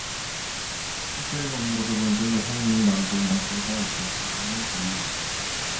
신철이가 웃는 것을 보니 좀더 성은 나면서도 그는 따라 웃지 않고는 견디지 못하였다.